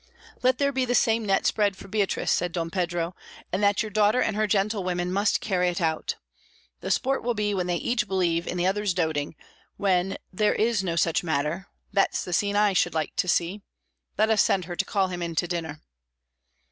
"Let there be the same net spread for Beatrice," said Don Pedro, "and that your daughter and her gentlewomen must carry out. The sport will be when they each believe in the other's doating, when there is no such matter; that's the scene I should like to see.... Let us send her to call him in to dinner."